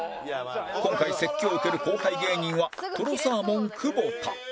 今回説教を受ける後輩芸人はとろサーモン久保田